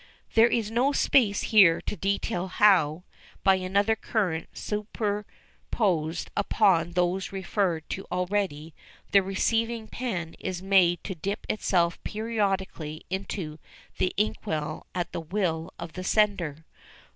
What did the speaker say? There is not space here to detail how, by another current superposed upon those referred to already, the receiving pen is made to dip itself periodically into the inkwell at the will of the sender.